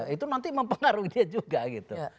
itu nanti mempengaruhi dia juga gitu